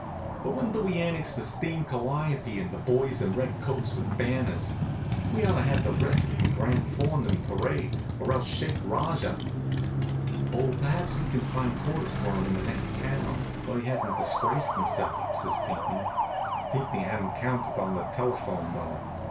"But when do we annex the steam calliope and the boys in red coats with banners? We ought to have the rest of the grand forenoon parade, or else shake Rajah." "Oh, perhaps we can find quarters for him in the next town, where he hasn't disgraced himself," says Pinckney. Pinckney hadn't counted on the telephone, though.